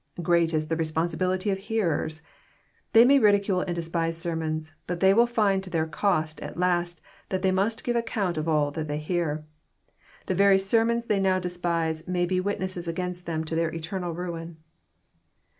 Great is the responsibility of hearers! They may ridicule and despise sermons ; but they will find to their cost at last that they must give account of all they hear. The very sermons they now despise may be witnesses against them to their eternal ruin.